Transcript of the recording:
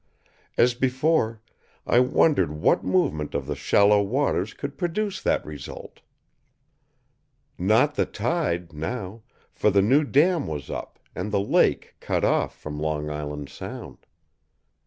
As before, I wondered what movement of the shallow waters could produce that result. Not the tide, now, for the new dam was up and the lake cut off from Long Island Sound.